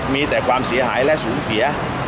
มีแต่ความเสียหายและสูญเสีย